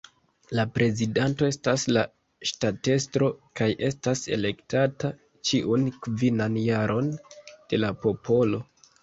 La prezidanto estas la ŝtatestro kaj estas elektata ĉiun kvinan jaron de la popolo.